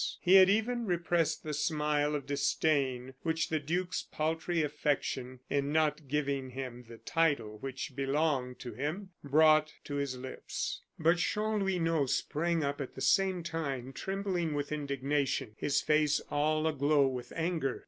He had even repressed the smile of disdain which the duke's paltry affection in not giving him the title which belonged to him, brought to his lips. But Chanlouineau sprang up at the same time, trembling with indignation, his face all aglow with anger.